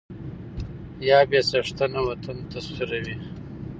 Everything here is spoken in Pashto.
يا بې څښنته وطن تسخيروي